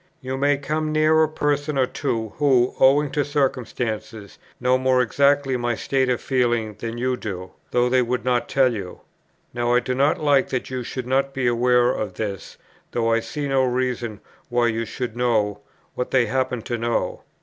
You may come near a person or two who, owing to circumstances, know more exactly my state of feeling than you do, though they would not tell you. Now I do not like that you should not be aware of this, though I see no reason why you should know what they happen to know.